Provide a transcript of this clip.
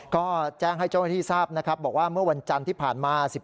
ก็แจ้งให้เจ้าหน้าที่ทราบนะครับบอกว่าเมื่อวันจันทร์ที่ผ่านมา